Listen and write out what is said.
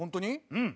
うん。